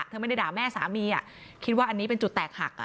ไม่ได้ด่าแม่สามีคิดว่าอันนี้เป็นจุดแตกหักอ่ะ